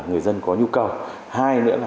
người dân có nhu cầu hai nữa là